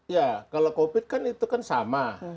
ya kalau covid kan itu kan sama